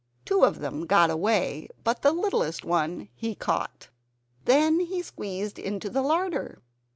Two of them got away; but the littlest one he caught. Then he squeezed into the larder.